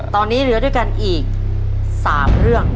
ตอนนี้เหลือด้วยกันอีก๓เรื่อง